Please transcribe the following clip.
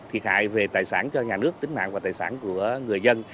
thiệt hại về tài sản cho nhà nước tính mạng và tài sản của người dân